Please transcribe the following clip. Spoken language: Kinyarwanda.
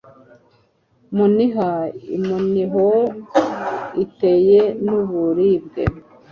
Muniha iminiho itewe nuburibwe